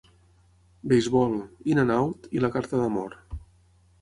Baseball"; "In and Out" i "La carta d'amor".